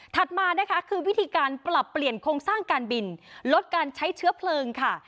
มานะคะคือวิธีการปรับเปลี่ยนโครงสร้างการบินลดการใช้เชื้อเพลิงค่ะ